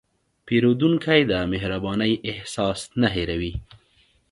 پیرودونکی د مهربانۍ احساس نه هېروي.